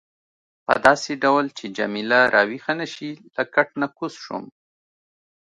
په داسې ډول چې جميله راویښه نه شي له کټ نه کوز شوم.